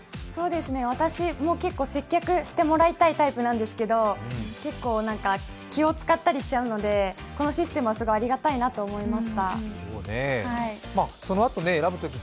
私も結構、接客してもらいたいタイプなんですけど気を使ったりしちゃうので、このシステムはありがたいなと思いま